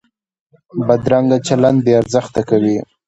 بدرنګه چلند بې ارزښته کوي